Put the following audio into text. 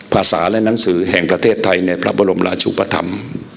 ภาษาและหนังสือแห่งประเทศไทยในพระบรมราชุปธรรม